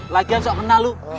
lagian sok kenal lu